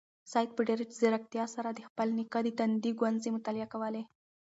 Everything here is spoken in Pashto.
سعید په ډېرې ځیرکتیا سره د خپل نیکه د تندي ګونځې مطالعه کولې.